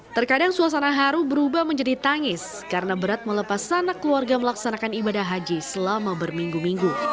terkadang suasana haru berubah menjadi tangis karena berat melepas sanak keluarga melaksanakan ibadah haji selama berminggu minggu